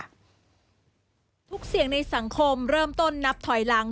ทุกเสียงในสังคมเริ่มต้นนับถอยหลัง